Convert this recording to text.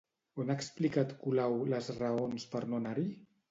On ha explicat Colau les raons per no anar-hi?